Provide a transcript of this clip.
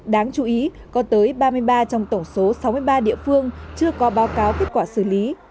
đáng chú ý có tới ba mươi ba trong tổng số sáu mươi ba địa phương chưa có báo cáo kết quả xử lý